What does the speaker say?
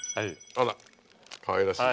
あらかわいらしい。